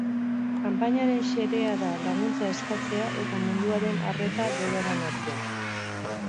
Kanpainaren xedea da laguntza eskatzea eta munduaren arreta bereganatzea.